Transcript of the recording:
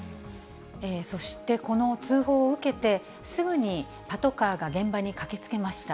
そして、この通報を受けて、すぐにパトカーが現場に駆けつけました。